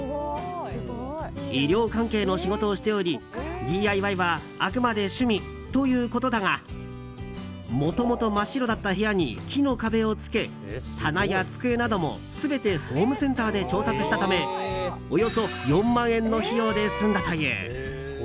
医療関係の仕事をしておりＤＩＹはあくまで趣味ということだがもともと真っ白だった部屋に木の壁をつけ棚や机なども全てホームセンターで調達したためおよそ４万円の費用で済んだという。